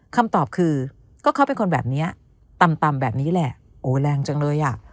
คำตอบคือก็เขาเป็นคนแบบนี้ต่ำต่ำแบบนี้แหละโอ้แรงจังเลยอ่ะ